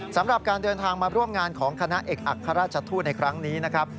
สำหรับการเดินทางมาร่วมงานของคณะเอกอัครราชทูตในครั้งนี้นะครับ